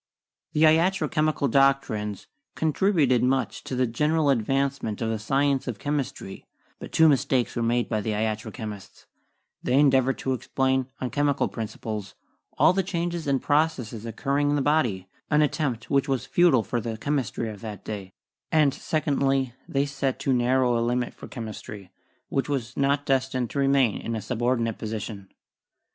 The iatro chemical doctrines contributed much to the general advancement of the science of chemistry, but two mistakes were made by the iatro chemists : they endeav ored to explain, on chemical principles, all the changes and processes occurring in the body — an attempt which was futile for the chemistry of that day; and, secondly, they set too narrow a limit for chemistry, which was not destined to remain in a subordinate position.